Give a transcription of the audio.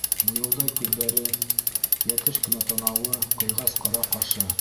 Муйылдай күҙҙәре, йәтеш кенә танауы, ҡыйғас ҡара ҡашы...